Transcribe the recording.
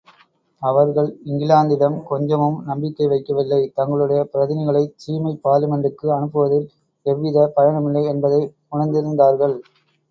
அவர்கள் இங்கிலாந்திடம் கொஞ்சமும் நம்பிக்கை வைக்கவில்லை தங்களுடைய பிரதிநிதிகளைச் சீமைப் பார்லிமென்டுக்கு அனுப்புவதில் எவ்வித பயனுமில்லை என்பதை உணர்ந்திருந்தார்கள்.